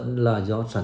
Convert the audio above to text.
ừ lại lên